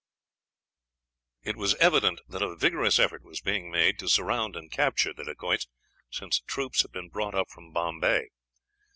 "It was evident that a vigorous effort was being made to surround and capture the Dacoits, since troops had been brought up from Bombay.